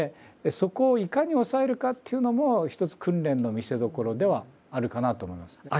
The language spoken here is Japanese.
そこをいかに抑えるかっていうのも一つ訓練の見せどころではあるかなと思います。